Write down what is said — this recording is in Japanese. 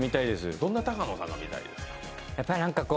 どんな高野さんが見たいですか？